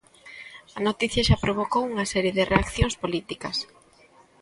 A noticia xa provocou unha serie de reacción políticas.